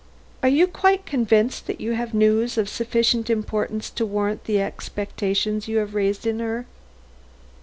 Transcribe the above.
Are you quite convinced that you have news of sufficient importance to warrant the expectations you have raised in her?"